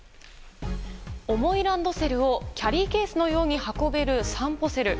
重いランドセルをキャリーケースのように運べるさんぽセル。